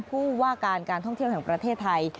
ผู้ว่าการการท่องเที่ยวแห่งประเทศไทย